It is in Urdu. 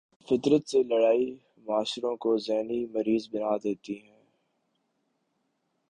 فطرت سے لڑائی معاشروں کو ذہنی مریض بنا دیتی ہے۔